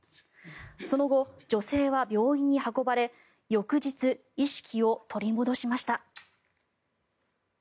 その後、女性は病院に運ばれ翌日、意識を取り戻しました。